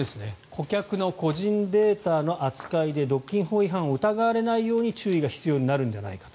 顧客の個人データの扱いで独禁法違反を疑われないように注意が必要になるんじゃないか。